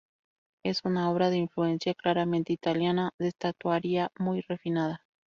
Es una obra de influencia claramente italiana, de estatuaria muy refinada.